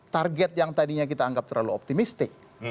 target yang tadinya kita anggap terlalu optimistik